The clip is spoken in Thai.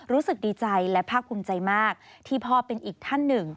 รู้สึกดีใจและภาคภูมิใจมากที่พ่อเป็นอีกท่านหนึ่ง